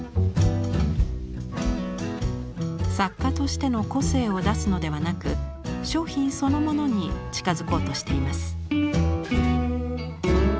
作家としての個性を出すのではなく商品そのものに近づこうとしています。